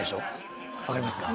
分かりますか？